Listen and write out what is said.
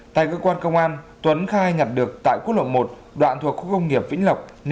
tại cơ quan công an tuấn khai nhận được tại quốc lộ một đoạn thuộc khu công nghiệp vĩnh lộc